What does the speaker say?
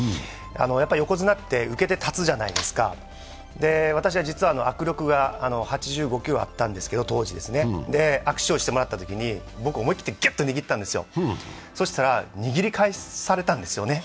横綱って受けて立つじゃないですか、私は実は握力が８５ｋｇ当時あったんですけど、握手をしてもらったときに、僕思い切ってギュッと握ったんですよそしたら、握り返されたんですよね